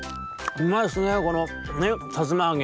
「うまいっすねこのねっさつまあげ。